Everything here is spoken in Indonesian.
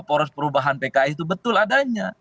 poros perubahan pks itu betul adanya